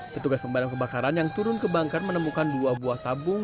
ketugas pembedap kebakaran yang turun ke bangker menemukan dua buah tabung